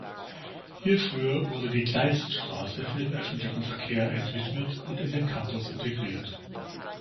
Hierfür wurde die Kleiststraße für den öffentlichen Verkehr entwidmet und in den Campus integriert.